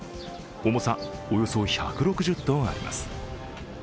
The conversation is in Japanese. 重さおよそ１６０ｔあります。